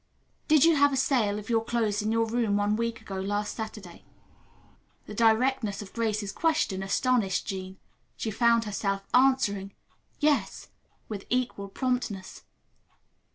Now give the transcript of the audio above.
"Did you have a sale of your clothes in your room one week ago last Saturday?" The directness of Grace's question astonished Jean. She found herself answering, "Yes," with equal promptness.